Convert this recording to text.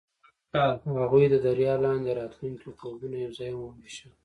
هغوی د دریا لاندې د راتلونکي خوبونه یوځای هم وویشل.